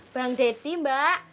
bang dedi mbak